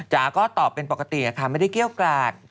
จ๋าก็ตอบเป็นปกติค่ะไม่ได้เกี้ยวกราด